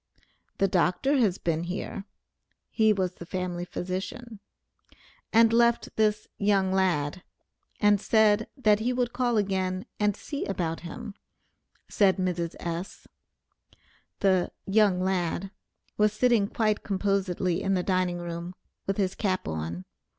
"The Dr. has been here" (he was the family physician), "and left this 'young lad,' and said, that he would call again and see about him," said Mrs. S. The "young lad" was sitting quite composedly in the dining room, with his cap on.